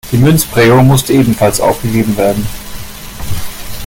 Die Münzprägung musste ebenfalls aufgegeben werden.